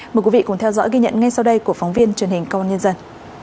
mời quý vị cùng theo dõi ghi nhận ngay sau đây của phóng viên truyền hình công an nhân dân